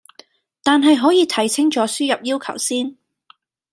但係可以睇清楚輸入要求先